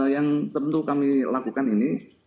yang tentu kami lakukan ini